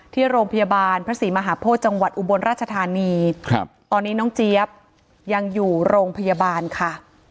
ที่โรงพยาบาลพระศรีมหาโพธิจังหวัดอุบลราชธานีตอนนี้น้องเจี๊ยบยังอยู่โรงพยาบาลค่ะ